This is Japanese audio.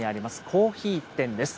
コーヒー店です。